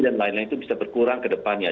dan lain lain itu bisa berkurang kedepannya